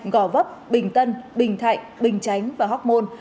gò vấp bình tân bình thạnh bình chánh và hóc môn